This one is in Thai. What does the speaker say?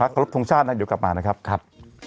พักทุกชาตินะเดี๋ยวกลับมานะครับ